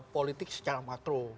politik secara makro